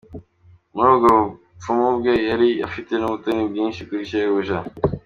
Muri ubwo bupfumu bwe, yari afite n’ubutoni bwinshi kuri shebuja.